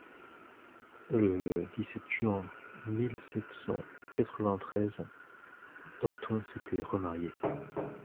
Le dix-sept juin mille sept cent quatre-vingt-treize, Danton s'était remarié.